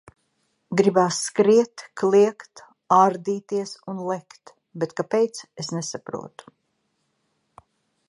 Gribās skriet, kliegt, ārdīties un lekt, bet kāpēc, es nesaprotu.